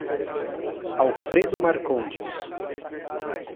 Alfredo Marcondes